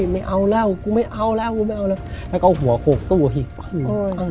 ไม่เอาแล้วกูไม่เอาแล้วไม่เอาแล้วและก็หัวขวกตู้พึงพึง